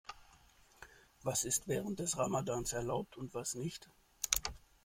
Was ist während des Ramadans erlaubt und was nicht?